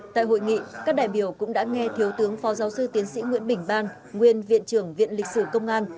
tại hội nghị các đại biểu cũng đã nghe thiếu tướng phó giáo sư tiến sĩ nguyễn bình ban nguyên viện trưởng viện lịch sử công an